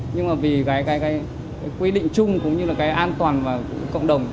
nhưng mà vì cái quy định chung cũng như là cái an toàn của cộng đồng